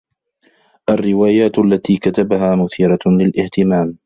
الروايات التي كتبها مثيرة للإهتمام.